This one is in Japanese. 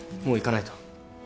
もう行かないと。